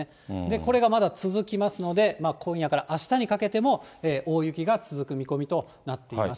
これがまだ続きますので、今夜からあしたにかけても、大雪が続く見込みとなっています。